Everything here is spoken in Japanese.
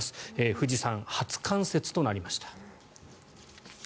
富士山、初冠雪となりました。